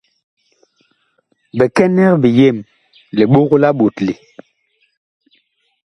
Bikɛnɛg biyem, liɓog la ɓotle.